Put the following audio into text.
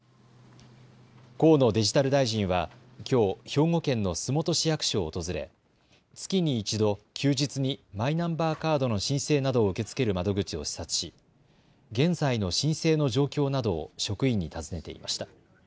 河野デジタル大臣はきょう兵庫県の洲本市役所を訪れ月に１度、休日にマイナンバーカードの申請などを受け付ける窓口を視察し現在の申請の状況などを職員に尋ねていました。